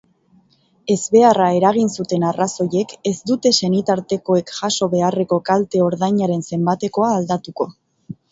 Ezbeharra eragin zuten arrazoiek ez dute senitartekoek jaso beharreko kalte-ordainaren zenbatekoa aldatuko.